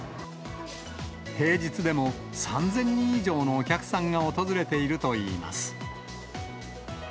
平日でも３０００人以上のお客さんが訪れているといいます。